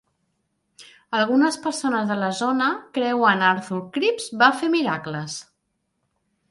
Algunes persones de la zona creuen Arthur Cripps va fer miracles.